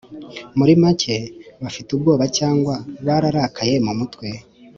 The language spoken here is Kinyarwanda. muri make, bafite ubwoba cyangwa bararakaye mumutwe